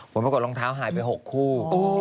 ปรากฏรองเท้าหายไป๖คู่